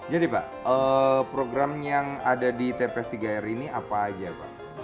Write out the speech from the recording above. jadi pak program yang ada di tps tiga r ini apa aja pak